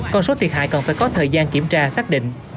con số thiệt hại cần phải có thời gian kiểm tra xác định